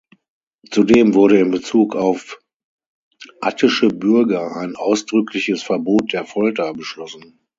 Zudem wurde in Bezug auf attische Bürger ein ausdrückliches Verbot der Folter beschlossen.